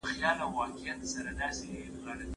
دا په دا چي ته ښیښه یې ،زه غباریم